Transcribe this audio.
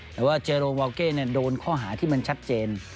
แต่ว่าเจโรวาวเก้โดนข้อหาที่มันชัดเจน